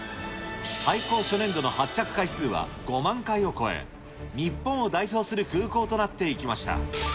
開港初年度の発着回数は５万回を超え、日本を代表する空港となっていきました。